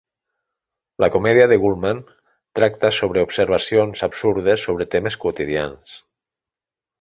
La comèdia de Gulman tracta sobre observacions absurdes sobre temes quotidians.